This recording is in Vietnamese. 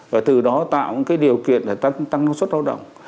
và từ đó tạo cái điều kiện để tăng năng suất lao động